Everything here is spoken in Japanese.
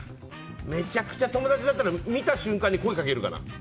めちゃくちゃ友達だったら見た瞬間に声掛けるかな。